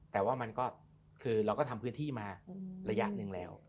แต่ว่ามันก็คือเราก็ทำพื้นที่มาระยะหนึ่งแล้ว